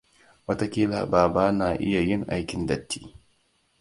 Wataƙila baba na iya yin aikin datti.